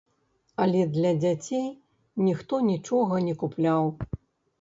Але для дзяцей ніхто нічога не купляў.